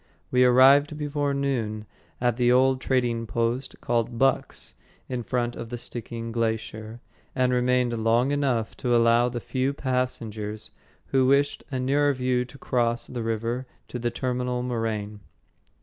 We arrived before noon at the old trading post called "Buck's" in front of the Stickeen Glacier, and remained long enough to allow the few passengers who wished a nearer view to cross the river to the terminal moraine.